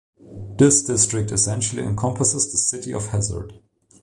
This district essentially encompasses the city of Hazard.